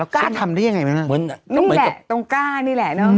กล้าทำได้อย่างไร